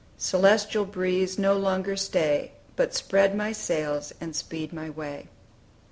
Celestial breeze, no longer stay! But spread my sails, and speed my way!"